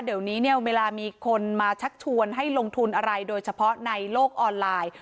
เดี๋ยวนี้เนี่ยเวลามีคนมาชักชวนให้ลงทุนอะไรโดยเฉพาะในโลกออนไลน์